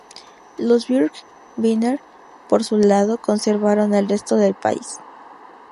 Los birkebeiner por su lado, conservaron el resto del país.